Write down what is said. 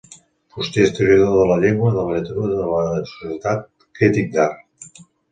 Fuster historiador de la llengua, de la literatura, de la societat; crític d’art.